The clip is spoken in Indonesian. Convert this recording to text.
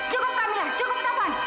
cukup kamilah cukup taufan